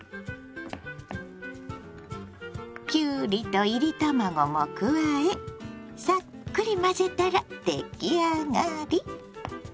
きゅうりといり卵も加えさっくり混ぜたら出来上がり。